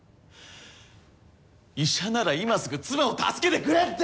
医者なら今すぐ妻を助けてくれって！